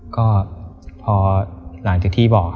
ก็พอหลังจากที่บอก